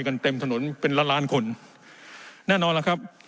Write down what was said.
กันเต็มถนนเป็นล้านล้านคนแน่นอนล่ะครับ